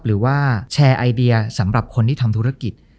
หรือว่าแชร์ไอเดียสำหรับคนที่ทำธุรกิจ